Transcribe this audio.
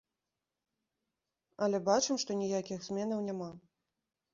Але бачым, што ніякіх зменаў няма.